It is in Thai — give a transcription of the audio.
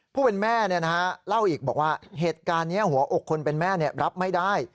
ผู้เป็นแม่เล่าอีกบอกว่าเหตุการณ์นี้หัวอกคนเป็นแม่รับไม่ได้